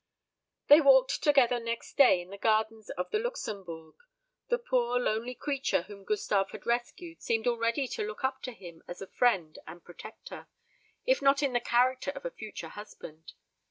They walked together next day in the gardens of the Luxembourg. The poor lonely creature whom Gustave had rescued seemed already to look up to him as a friend and protector, if not in the character of a future husband.